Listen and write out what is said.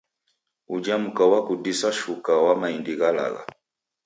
Uja mka wadisa shuka wa maindi gha lagha.